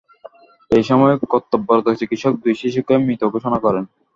এ সময় কর্তব্যরত চিকিৎসক দুই শিশুকে মৃত ঘোষণা করেন।